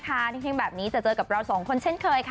เที่ยงแบบนี้จะเจอกับเราสองคนเช่นเคยค่ะ